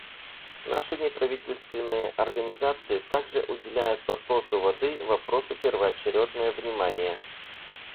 Наши неправительственные организации так же уделяют вопросу воды вопросу первоочередное внимание.